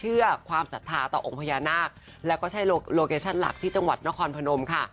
เพื่อความศรัทธาต่อองค์พญานาคแล้วก็ใช่โลเคชั่นหลักที่จังหวัดนครพนมค่ะ